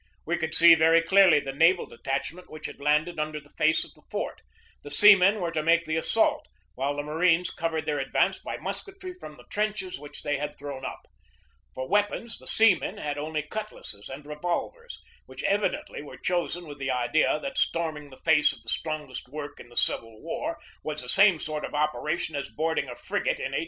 We could see very clearly the naval detachment which had landed under the face of the fort. The seamen were to make the assault, while the marines covered their advance by musketry from the trenches which they had thrown up. For weapons the seamen had only cutlasses and revolvers, which evidently were chosen with the idea that storming the face of the strong est work in the Civil War was the same sort of opera tion as boarding a frigate in 1812.